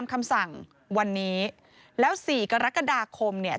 คำสั่งวันนี้แล้ว๔กรกฎาคมเนี่ย